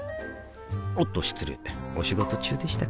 おっと失礼お仕事中でしたか